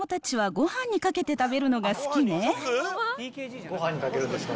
ごはんにかけるんですか？